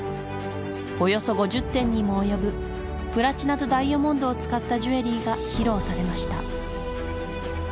およそ５０点にも及ぶプラチナとダイヤモンドを使ったジュエリーが披露されました